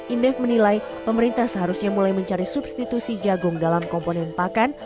indef menilai pemerintah seharusnya mulai mencari substitusi jagung dalam komponen pakan